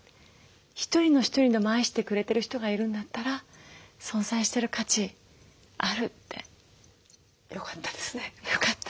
１人の人でも愛してくれてる人がいるんだったら存在してる価値あるって。よかったですね。よかった。